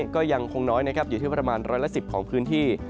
ก็ยังคงน้อยนะครับอยู่ที่ประมาณร้อยละ๑๐ของพื้นที่